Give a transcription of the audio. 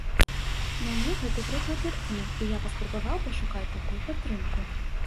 Мяне гэты прыклад натхніў, і я паспрабаваў пашукаць такую падтрымку.